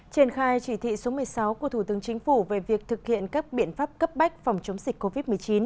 trên khai chỉ thị số một mươi sáu của thủ tướng chính phủ về việc thực hiện các biện pháp cấp bách phòng chống dịch covid một mươi chín